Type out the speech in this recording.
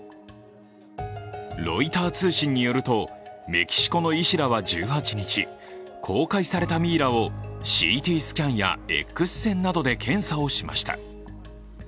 ロイター通信によるとメキシコの医師らは１８日公開されたミイラをＣＴスキャンやＸ線などで検査をしました。